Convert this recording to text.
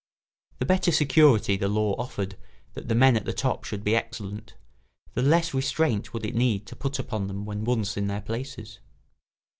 The better security the law offered that the men at the top should be excellent, the less restraint would it need to put upon them when once in their places.